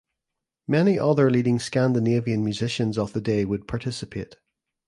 Many other leading Scandinavian musicians of the day would participate.